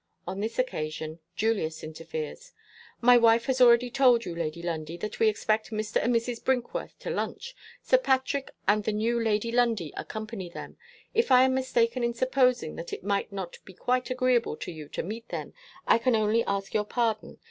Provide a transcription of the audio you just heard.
On this occasion, Julius interferes. "My wife has already told you, Lady Lundie, that we expect Mr. and Mrs. Brinkworth to lunch. Sir Patrick, and the new Lady Lundie, accompany them. If I am mistaken in supposing that it might not be quite agreeable to you to meet them, I can only ask your pardon.